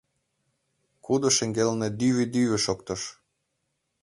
Кудо шеҥгелне дӱвӧ-дӱвӧ шоктыш.